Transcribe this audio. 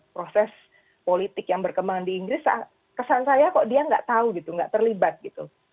proses politik yang berkembang di inggris kesan saya kok dia nggak tahu gitu nggak terlibat gitu